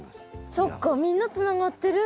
そっかみんなつながってる。